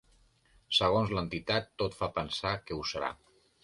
Segons l’entitat, tot fa pensar que ho serà.